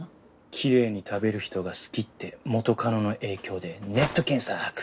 きれいに食べる人が好きって元カノの影響でネット検索！